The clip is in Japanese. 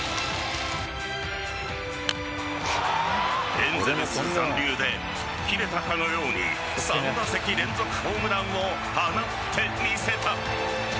エンゼルス残留で吹っ切れたかのように３打席連続ホームランを放ってみせた。